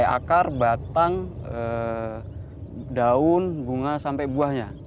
akar batang daun bunga sampai buahnya